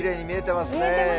見えてますよ。